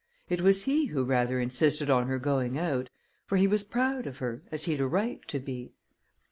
It was he who rather insisted on her going out; for he was proud of her, as he'd a right to be."